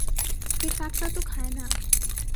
এ কাঁকড়া তো খায় না।